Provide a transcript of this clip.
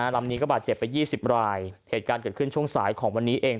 ลำนี้ก็บาดเจ็บไป๒๐รายเหตุการณ์เกิดขึ้นช่วงสายของวันนี้เอง